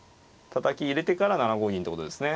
たたき入れてから７五銀ってことですね。